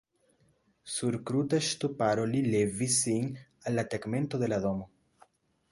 Sur kruta ŝtuparo li levis sin al la tegmento de la domo.